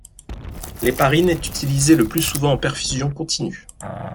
L'héparine est utilisée le plus souvent en perfusion continue.